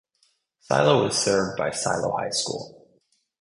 Silo is served by Silo High School.